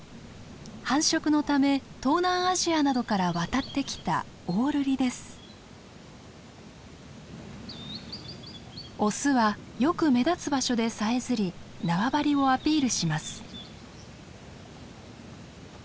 繁殖のため東南アジアなどから渡ってきたオスはよく目立つ場所でさえずり縄張りをアピールします。